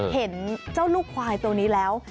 เห็นเจ้าลูกควายตัวนี้แล้ว